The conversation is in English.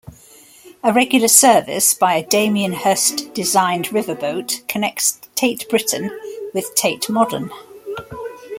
A regular service by a Damien Hirst-designed riverboat connects Tate Britain with Tate Modern.